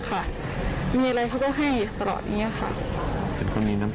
ค่ะมีอะไรเขาก็ให้ตลอดเนี้ยค่ะเป็นคนมีน้ำ